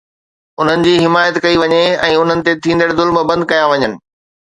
انهن جي حمايت ڪئي وڃي ۽ انهن تي ٿيندڙ ظلم بند ڪيا وڃن.